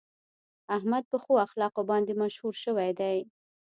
احمد په ښو اخلاقو باندې مشهور شوی دی.